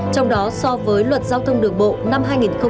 trong đó so với luật giao thông đường bộ năm hai nghìn tám